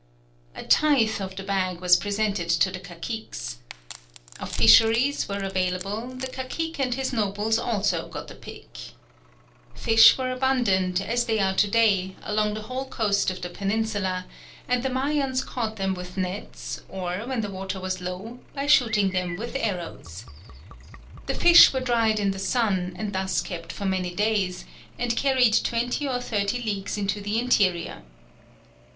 A tithe of the "bag" was presented to the caciques. Of fisheries, where available, the cacique and his nobles also got the pick. Fish were abundant, as they are to day, along the whole coast of the Peninsula, and the Mayans caught them with nets or, when the water was low, by shooting them with arrows. The fish were dried in the sun, and thus kept for many days, and carried twenty or thirty leagues into the interior.